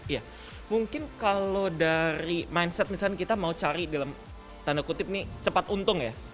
ya mungkin kalau dari mindset misalnya kita mau cari dalam tanda kutip nih cepat untung ya